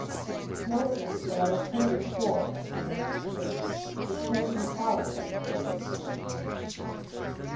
"No, prince; but I have seen it before," answered the master. "It came from Talus, I suppose."